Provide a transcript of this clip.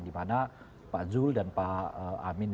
dimana pak zul dan pak amin